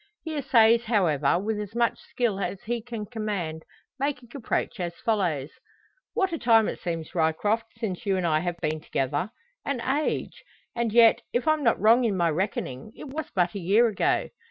He essays, however, with as much skill as he can command, making approach as follows: "What a time it seems, Ryecroft, since you and I have been together an age! And yet, if I'm not wrong in my reckoning, it was but a year ago.